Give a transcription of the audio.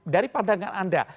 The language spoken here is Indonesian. dari pandangan anda